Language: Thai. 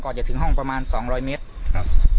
จะถึงห้องประมาณสองร้อยเมตรครับ